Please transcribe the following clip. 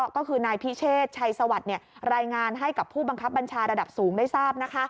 ก็คือนายพิเชษชัยสวัสดิ์รายงานให้กับผู้บังคับบัญชาระดับสูงได้ทราบ